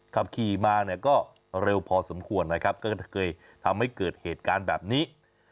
ขับขี่มาเนี่ยก็เร็วพอสมควรนะครับก็จะเคยทำให้เกิดเหตุการณ์แบบนี้